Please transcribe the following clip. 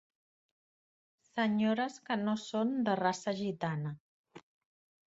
Senyores que no són de raça gitana.